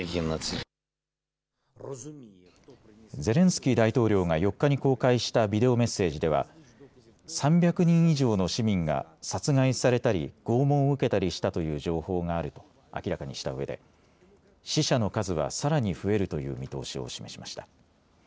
ゼレンスキー大統領が４日に公開したビデオメッセージでは３００人以上の市民が殺害されたり、拷問を受けたりしたという情報があると明らかにしたうえで死者の数はさらに増えるという見通しを示しました。